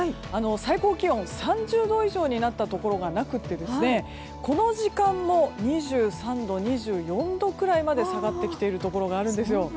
最高気温３０度以上になったところがなくてこの時間も２３度、２４度くらいまで下がってきているところがあるんですよ。